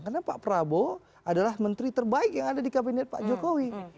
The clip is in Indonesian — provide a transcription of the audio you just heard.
karena pak prabowo adalah menteri terbaik yang ada di kabinet pak jokowi